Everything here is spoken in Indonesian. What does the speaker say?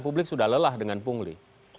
publik sudah lelah dengan pungli